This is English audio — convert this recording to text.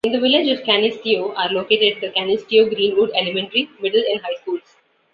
In the Village of Canisteo are located the Canisteo-Greenwood Elementary, Middle, and High Schools.